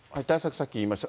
さっき言いました。